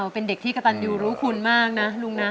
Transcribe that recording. ๑๘๑๙เป็นเด็กที่กระตุ่นดิวรู้คุณมากนะลุงนะ